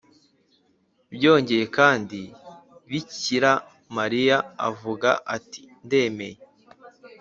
byongeye kandi bikira mariya avuga ati “ndemeye